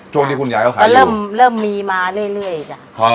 ช่วงที่คุณยายเขาขายอยู่เริ่มเริ่มมีมาเรื่อยเรื่อยจ้ะ